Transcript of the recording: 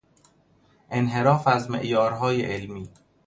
انحراف از معیارهای علمی